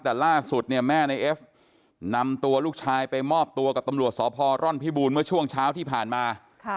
แต่ล่าสุดเนี่ยแม่ในเอฟนำตัวลูกชายไปมอบตัวกับตำรวจสพร่อนพิบูรณ์เมื่อช่วงเช้าที่ผ่านมา